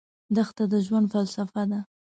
دښته د ژوند فلسفه ده.